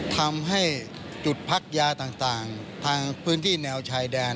ทำให้จุดพักยาต่างทางพื้นที่แนวชายแดน